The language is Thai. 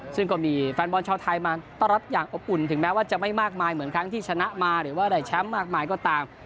ซึ่งก็มีแฟนบอลชาวไทยมาต้อนรับอย่างอบอุ่นถึงแม้ว่าจะไม่มากมายเหมือนครั้งที่ชนะมาหรือว่าได้แชมป์มากมายก็ตาม